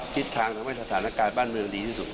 ทิศทางทำให้สถานการณ์บ้านเมืองดีที่สุด